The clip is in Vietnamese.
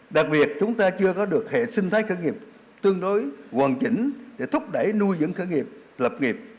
đặc biệt chúng ta chưa có được hệ sinh thái khởi nghiệp tương đối hoàn chỉnh để thúc đẩy nuôi dẫn khởi nghiệp lập nghiệp